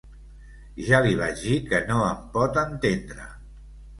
Ja li vaig dir que no em pot entendre.